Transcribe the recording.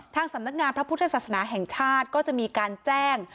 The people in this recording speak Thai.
ทางสำนักงานพระพุทธศาสนาแห่งชาติก็จะมีการแจ้ง